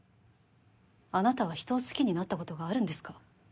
あなたは人を好きになったことがあるんですか